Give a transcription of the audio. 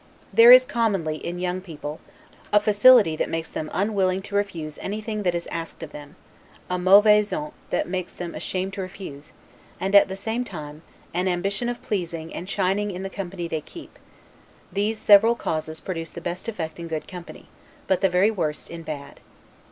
There is commonly, in young people, a facility that makes them unwilling to refuse anything that is asked of them; a 'mauvaise honte' that makes them ashamed to refuse; and, at the same time, an ambition of pleasing and shining in the company they keep: these several causes produce the best effect in good company, but the very worst in bad.